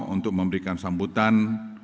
untuk memberikan sambutan